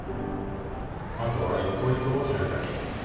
あとはよこ糸をはるだけ。